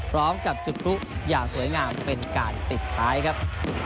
พร้อมกับจุดพลุอย่างสวยงามเป็นการปิดท้ายครับ